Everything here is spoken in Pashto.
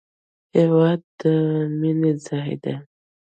هېواد د مینې ځای دی